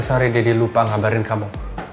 saya lupa menghubungi kamu